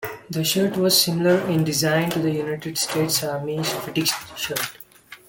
The shirt was similar in design to the United States Army fatigue shirt.